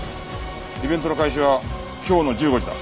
イベントの開始は今日の１５時だ。